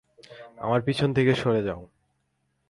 আমার পিছন থেকে সরে যাও!